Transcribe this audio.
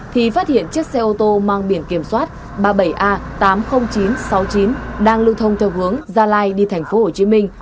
thì phát hiện chiếc xe ô tô mang biển kiểm soát ba mươi bảy a tám mươi nghìn chín trăm sáu mươi chín đang lưu thông theo hướng gia lai đi thành phố hồ chí minh